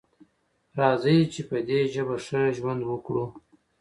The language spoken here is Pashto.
راځئ چې په دې ژبه ښه ژوند وکړو.